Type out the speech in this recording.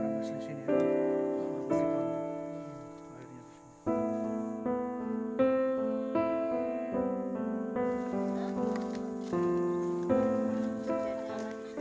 tidak ada agama yang salah